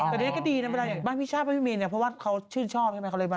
แต่ใดสิก็ดีแบบบ้านพี่ชาบไม่มีเพราะว่าเขาชื่นชอบเขาเลยบ้าน